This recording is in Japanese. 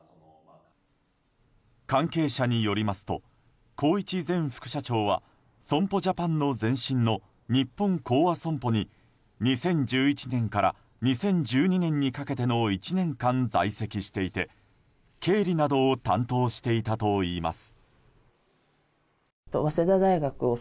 関係者によりますと宏一前副社長は損保ジャパンの前身の日本興亜損保に２０１１年から２０１２年にかけての１年間在籍していて経理などを担当していたといいます。